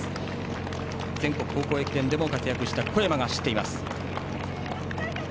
全国高校駅伝でも活躍した小山が走っています。